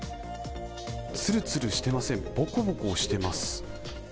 つるつるしてませんボコボコしてます。